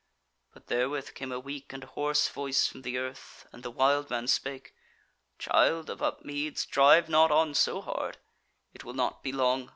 But therewith came a weak and hoarse voice from the earth, and the wild man spake. "Child of Upmeads, drive not on so hard: it will not be long.